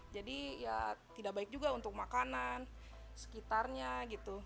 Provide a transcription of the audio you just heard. jadi ya tidak baik juga untuk makanan sekitarnya gitu